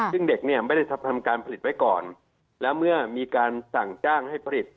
ซึ่งเด็กเนี่ยไม่ได้ทำการผลิตไว้ก่อนแล้วเมื่อมีการสั่งจ้างให้ผลิต